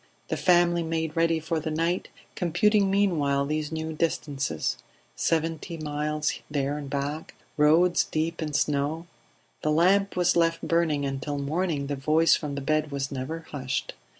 The family made ready for the night, computing meanwhile these new distances ... Seventy miles there and back ... Roads deep in snow. The lamp was left burning, and till morning the voice from the bed was never hushed.